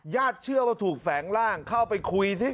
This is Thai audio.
ญาติเชื่อว่าถูกแฝงร่างเข้าไปคุยที่